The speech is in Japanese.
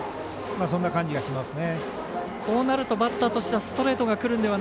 そんな感じがしますね。